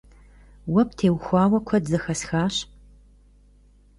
Уэ птеухауэ куэд зэхэсхащ.